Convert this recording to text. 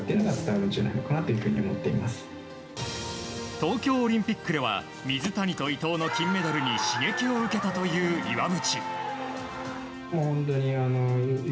東京オリンピックでは水谷と伊藤の金メダルに刺激を受けたという岩渕。